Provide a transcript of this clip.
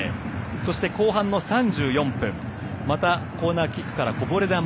後半の３４分またコーナーキックからのこぼれ球。